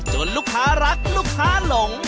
ลูกค้ารักลูกค้าหลง